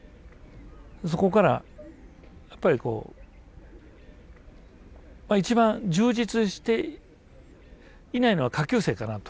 そこからやっぱりこう一番充実していないのは下級生かなと。